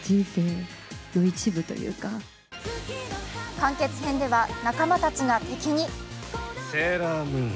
完結編では仲間たちが敵に。